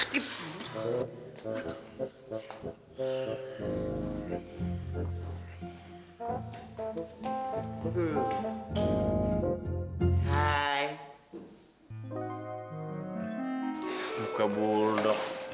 duduk duduk duduk